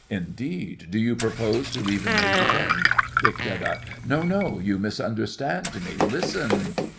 Indeed! do you propose to leave the Navy then? DICK. No, no, you misunderstand me; listen!